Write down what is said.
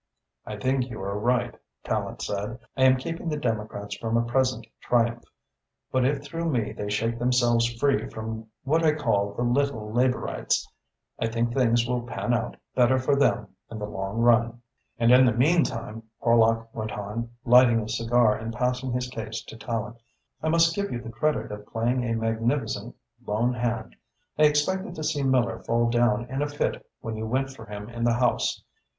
"I think you are right," Tallente said. "I am keeping the Democrats from a present triumph, but if through me they shake themselves free from what I call the little Labourites, I think things will pan out better for them in the long run." "And in the meantime," Horlock went on, lighting a cigar and passing his case to Tallente, "I must give you the credit of playing a magnificent lone hand. I expected to see Miller fall down in a fit when you went for him in the House.